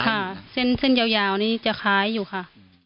ค่ะเส้นเส้นยาวนี่จะคล้ายอยู่ค่ะ